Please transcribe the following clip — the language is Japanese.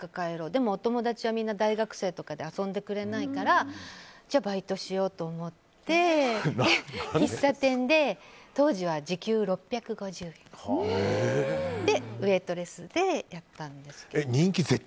でもお友達はみんな大学生とかで遊んでくれないからじゃあバイトしようと思って喫茶店で、当時は時給６５０円でウェートレスでやったんです。